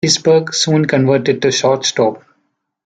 Risberg soon converted to shortstop.